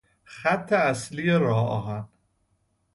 خط اصلی راه آهن